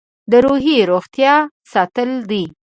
د روحي روغتیا ساتل دي.